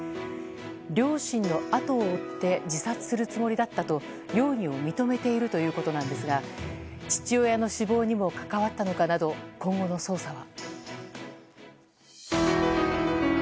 両親のあとを追って自殺するつもりだったと容疑を認めているということなんですが父親の死亡にも関わったかなど今後の捜査は？